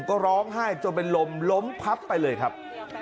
ก็ร้องไห้จนเป็นลมล้มพับไปเลยครับ